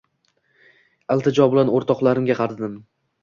Iltijo bilan o‘rtoqlarimga qaradim.